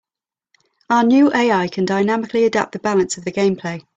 Our new AI can dynamically adapt the balance of the gameplay.